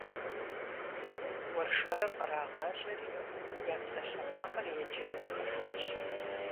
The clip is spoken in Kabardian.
Уэршэрыр кърагъажьэри, я псалъэмакъыр еджэным хыхьащ.